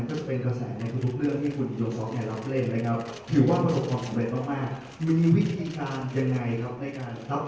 เขาเป็นคนที่รู้สึกก่อนกันอยู่แล้วเพราะว่าเขาอยากทำให้มันดีที่สุดในกลุ่มงานครับ